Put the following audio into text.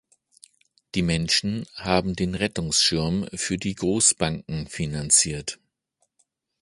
Die Menschen haben den Rettungsschirm für die Großbanken finanziert.